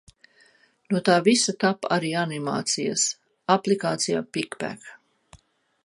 No tā visa tapa arī animācijas! Aplikācija Pic Pac.